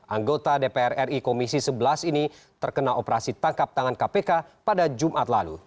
anggota dpr ri komisi sebelas ini terkena operasi tangkap tangan kpk pada jumat lalu